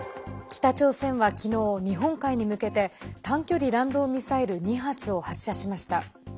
北朝鮮は昨日、日本海に向けて短距離弾道ミサイル２発を発射しました。